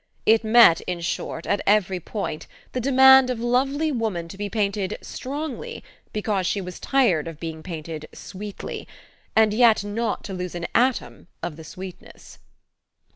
It met, in short, at every point the demand of lovely woman to be painted "strongly" because she was tired of being painted "sweetly" and yet not to lose an atom of the sweetness.